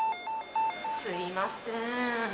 すみません。